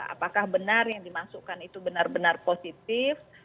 apakah benar yang dimasukkan itu benar benar positif